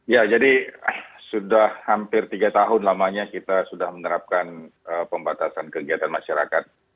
ya jadi sudah hampir tiga tahun lamanya kita sudah menerapkan pembatasan kegiatan masyarakat